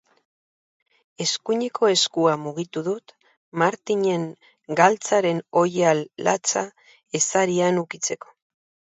Eskuineko eskua mugitu dut Martinen galtzaren oihal latza ezarian ukitzeko.